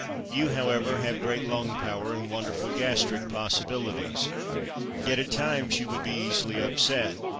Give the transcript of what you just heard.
You, however, have great lung power and wonderful gastric possibilities. Yet, at times, you would be easily upset.